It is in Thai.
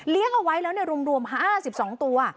เลี้ยงเอาไว้แล้วเนี่ยรวมห้า๑๒ตัว